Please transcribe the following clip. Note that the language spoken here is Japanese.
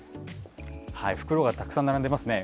袋がたくさん並んでますね。